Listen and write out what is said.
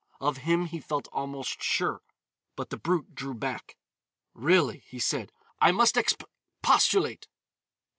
Of him he felt almost sure, but the brute drew back. "Really," he said, "I must exp postulate."